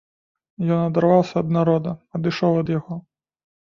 Ён адарваўся ад народа, адышоў ад яго.